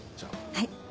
はい。